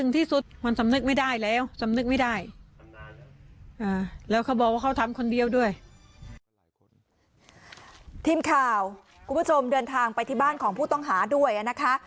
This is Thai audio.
คุณผู้ชมเดินทางไปที่บ้านของผู้ต้องหาด้วยนะคะ